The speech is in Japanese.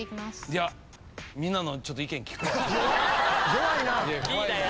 弱いな。